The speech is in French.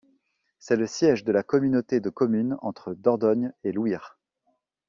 C'est le siège de la communauté de communes Entre Dordogne et Louyre.